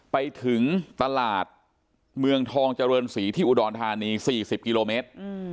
ไปถึงตลาดเมืองทองเจริญศรีที่อุดรธานี๔๐กิโลเมตร